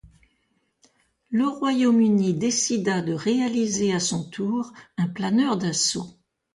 Le Royaume-Uni décida de réaliser à son tour un planeur d'assaut.